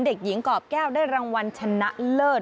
เด็กหญิงกรอบแก้วได้รางวัลชนะเลิศ